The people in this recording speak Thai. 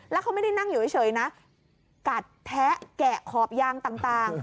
แล้วเขาไม่ได้นั่งอยู่เฉยนะกัดแทะแกะขอบยางต่าง